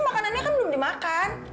makanannya kan belum dimakan